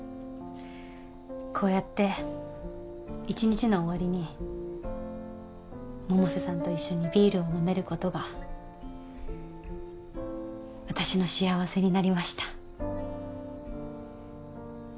こうやって一日の終わりに百瀬さんと一緒にビールを飲めることが私の幸せになりました